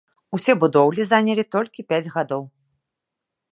Усе будоўлі занялі толькі пяць гадоў!